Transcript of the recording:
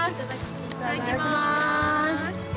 いただきます！